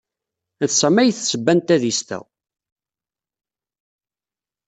D Sami ay d ssebba n tadist-a.